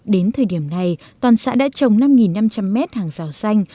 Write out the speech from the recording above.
đến thời điểm này toàn xã đã trồng năm năm trăm linh mét hàng rào xanh